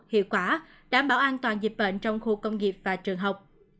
hiệu quả đảm bảo an toàn dịch bệnh trong khu công nghiệp và trường học